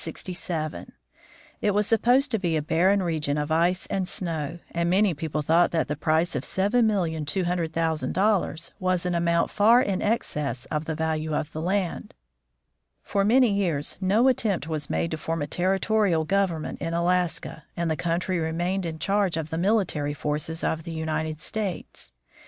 It was supposed to be a barren region of ice and snow, and many people thought that the price of $7,200,000 was an amount far in excess of the value of the land. For many years no attempt was made to form a terri torial government in Alaska, and the country remained in charge of the military forces of the United States.